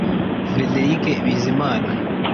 Frederick Bizimana